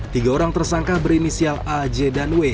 tiga orang tersangka berinisial a j dan w